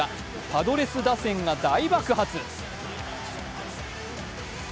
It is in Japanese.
パドレス打線が大爆発。